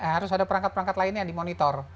harus ada perangkat perangkat lainnya yang dimonitor